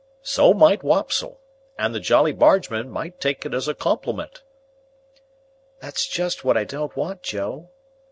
"So might Wopsle. And the Jolly Bargemen might take it as a compliment." "That's just what I don't want, Joe.